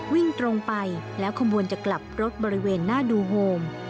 วิ่งตรงไปแล้วขบวนจะกลับรถบริเวณหน้าดูโฮม